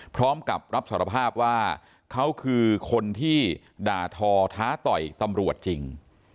พร้อมกับรับสารภาพว่าเขาคือคนที่ด่าทอท้าต่อยตำรวจจริง